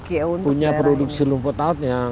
kami juga punya produksi rumput laut yang